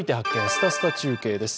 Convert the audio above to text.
すたすた中継」です。